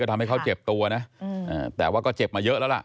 ทำให้เขาเจ็บตัวนะแต่ว่าก็เจ็บมาเยอะแล้วล่ะ